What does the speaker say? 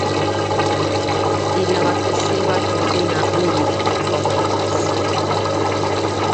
Iria Vázquez Silva coordina un libro Cómplices.